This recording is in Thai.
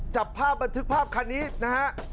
จับภาพบันทึกภาพคันนี้นะฮะ